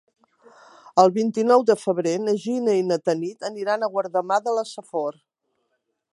El vint-i-nou de febrer na Gina i na Tanit aniran a Guardamar de la Safor.